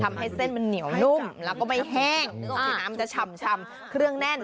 ทำให้เส้นมันเหนียวนุ่มแล้วก็ไม่แห้งที่น้ำมันจะฉ่ำเครื่องแน่น